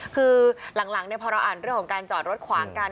คือหลังพอเราอ่านเรื่องของการจอดรถขวางกัน